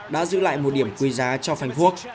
đã giữ lại một điểm quý giá cho frankfurt